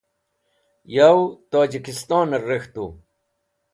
Yow Tojikistoner Rek̃htu